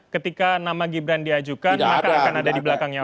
ketika nama gibran diajukan maka akan ada di belakangnya